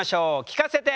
聞かせて！